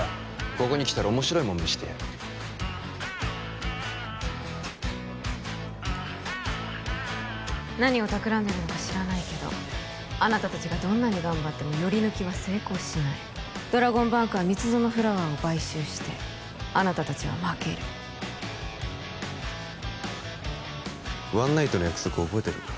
ここに来たら面白いもん見してやる何をたくらんでるのか知らないけどあなた達がどんなに頑張ってもヨリヌキは成功しないドラゴンバンクは蜜園フラワーを買収してあなた達は負けるワンナイトの約束覚えてるか？